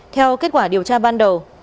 theo kết quả điều tra ban đầu